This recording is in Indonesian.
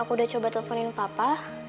aku udah coba teleponin papa